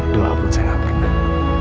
doa pun saya tidak pernah